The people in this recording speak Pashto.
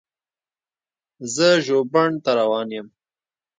زه ژوبڼ ته روان یم.